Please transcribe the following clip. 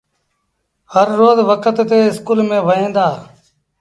هر روز وکت ٿي اسڪول ميݩ وهيݩ دآ۔